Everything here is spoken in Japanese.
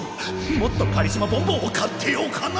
もっとカリスマボンボンを買っておかなきゃ！